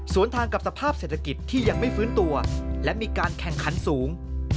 ส่วนทางกับสภาพเศรษฐกิจที่ยังไม่ฟื้นตัวและมีการแข่งขันสูง